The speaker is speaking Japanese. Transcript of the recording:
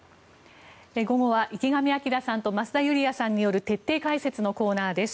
午後は池上彰さんと増田ユリヤさんによる徹底解説のコーナーです。